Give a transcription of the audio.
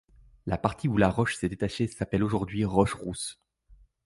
La partie où la roche s'est détachée s'appelle aujourd'hui Roche Rousse.